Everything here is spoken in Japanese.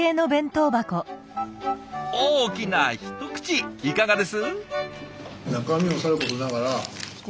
大きな一口いかがです？